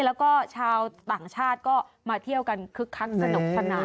แล้วก็ชาวต่างชาติก็มาเที่ยวกันคึกคักสนุกสนาน